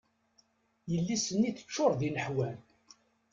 Yelli-s-nni teččur d ineḥwan.